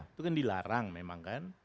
itu kan dilarang memang kan